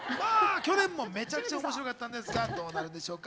去年もめちゃくちゃ面白かったんですが、どうなんでしょうか。